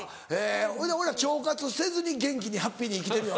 ほいで俺ら腸活せずに元気にハッピーに生きてるよ。